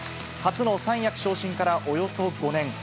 初の三役昇進からおよそ５年。